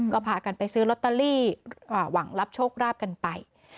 ก็พากันไปซื้อลอตเตอรี่หวังรับโชคราบกันไป